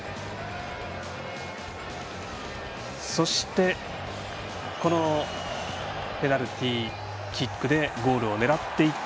そして、ペナルティーキックでゴールを狙っていって